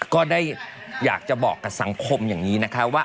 ก็ได้อยากจะบอกกับสังคมอย่างนี้นะคะว่า